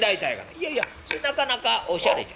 「いやいやそれなかなかおしゃれじゃ。